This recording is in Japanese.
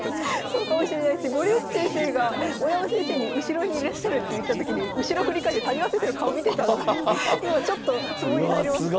そうかもしれないし森内先生が大山先生に後ろにいらっしゃるって言った時に後ろ振り返って谷川先生の顔見てたのが今ちょっとツボに入りました。